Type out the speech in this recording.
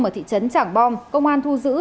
ở thị trấn trảng bom công an thu giữ